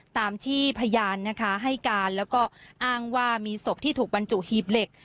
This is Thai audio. ตามที่พยานนะคะให้การแล้วก็อ้างว่ามีศพที่ถูกบรรจุหีบเหล็ก